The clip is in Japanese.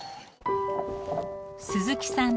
鈴木さん